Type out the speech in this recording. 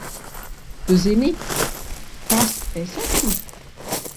Tu zini, kas es esmu?